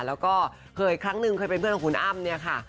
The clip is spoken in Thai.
แล้วก็เคยครั้งหนึ่งเคยเป็นเพื่อนของคุณอ้ำเนี่ยค่ะ